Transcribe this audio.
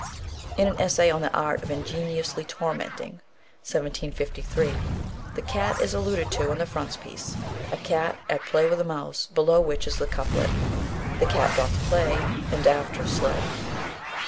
In an essay on "The Art of Ingeniously Tormenting" (1753), the cat is alluded to in the frontispiece a cat at play with a mouse, below which is the couplet: The cat doth play, And after slay.